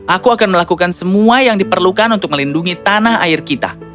aku akan melakukan semua yang diperlukan untuk melindungi tanah air kita